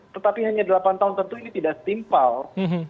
tetapi hanya delapan tahun tentu ini tidak setimpal